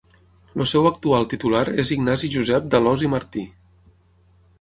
El seu actual titular és Ignasi Josep d'Alòs i Martí.